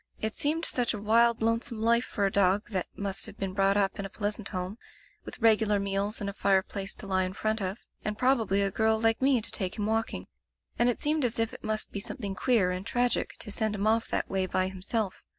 It seemed such a wild, lonesome life for a dog that must have been brought up in a pleasant home, with regular meals and a fireplace to lie in front of, and probably a girl like me to take him walking. And it seemed as if it must be something queer and tragic to send him off that way by himself.